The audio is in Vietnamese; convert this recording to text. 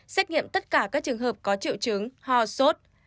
xét nghiệm tất cả các trường hợp có triệu chứng ho sốt